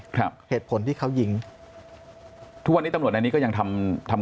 ครับเหตุผลที่เขายิงทุกวันนี้ตำรวจในนี้ก็ยังทำทำ